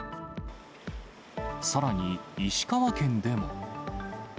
さらに石川県でも。